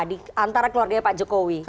di antara keluarganya pak jokowi